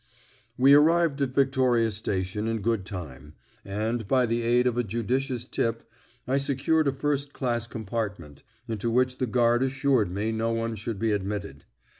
We arrived at Victoria Station in good time, and, by the aid of a judicious tip, I secured a first class compartment, into which the guard assured me no one should be admitted.